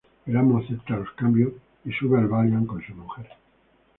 El Amo acepta los cambios y sube al Valiant con su mujer.